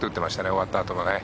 終わったあともね。